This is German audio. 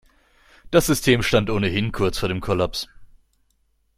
Das System stand ohnehin kurz vor dem Kollaps.